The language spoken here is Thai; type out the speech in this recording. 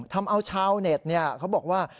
ทำเอาชาวเน็ตเขาบอกว่า